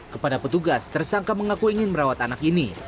kepada petugas tersangka mengaku ingin merawat anak ini